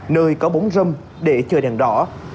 nơi có bóng dâm để chờ đèn đỏ